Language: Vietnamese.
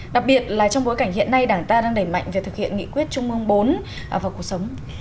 đặc biệt là trong bối cảnh hiện nay đảng ta đang đẩy mạnh việc thực hiện nghị quyết trung ương bốn vào cuộc sống